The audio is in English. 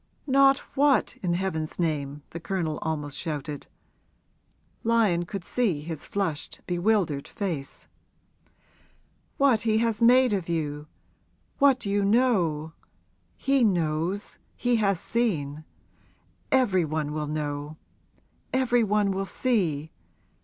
'Not what, in heaven's name?' the Colonel almost shouted. Lyon could see his flushed, bewildered face. 'What he has made of you what you know! He knows he has seen. Every one will know every one will see.